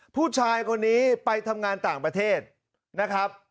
ผู้ชายคนนี้ไปทำงานต่างประเทศนะครับ